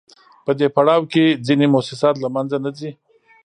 په دې پړاو کې ځینې موسسات له منځه نه ځي